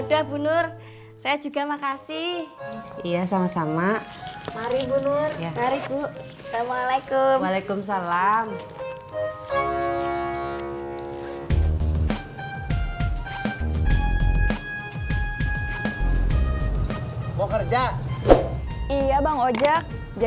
sampai jumpa di video selanjutnya